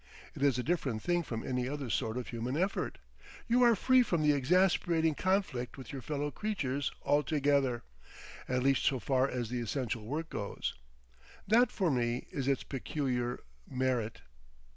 It is a different thing from any other sort of human effort. You are free from the exasperating conflict with your fellow creatures altogether—at least so far as the essential work goes; that for me is its peculiar merit.